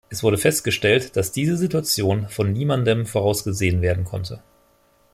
Es wurde festgestellt, dass diese Situation von niemandem vorausgesehen werden konnte.